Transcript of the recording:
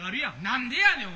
何でやねん！